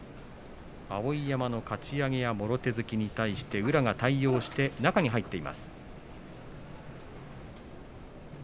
碧山のかち上げ、もろ手突きに対して宇良が対応して中に入っています。